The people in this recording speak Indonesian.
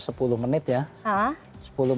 sudah sekitar sepuluh menit ya